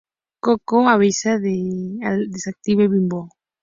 Koko avisa al detective Bimbo.